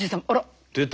出た。